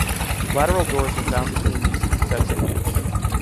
Lateral doors are found between these two sets of wheels.